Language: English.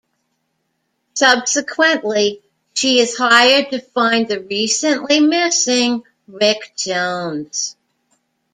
Subsequently she is hired to find the recently missing Rick Jones.